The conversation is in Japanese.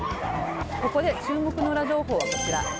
ここで注目のウラ情報はこちら。